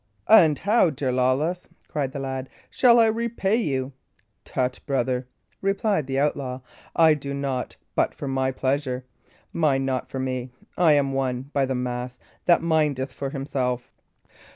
"And how, dear Lawless," cried the lad, "shall I repay you?" "Tut, brother," replied the outlaw, "I do naught but for my pleasure. Mind not for me. I am one, by the mass, that mindeth for himself.